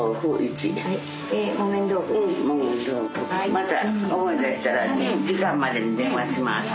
また思い出したら時間までに電話します。